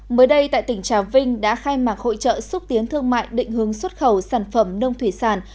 mới đây tại tỉnh trà vinh đã khai mạc hội trợ xúc tiến thương mại định hướng xuất khẩu sản phẩm nông thủy sản